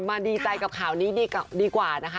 ดีใจกับข่าวนี้ดีกว่านะคะ